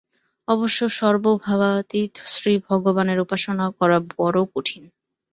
অবশ্য সর্বভাবাতীত শ্রীভগবানের উপাসনা বড় কঠিন।